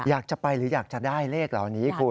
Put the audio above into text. อยากจะไปหรืออยากจะได้เลขเหล่านี้คุณ